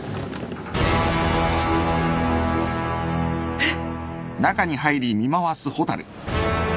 えっ！？